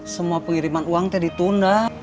semua pengiriman uang teh ditunda